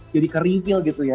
jadi keringvil gitu ya